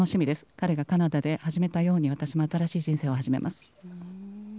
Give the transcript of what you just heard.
彼がカナダで始めたように、私も新しい人生を始めます。